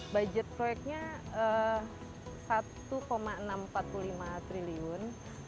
budget proyeknya rp satu enam ratus empat puluh lima triliun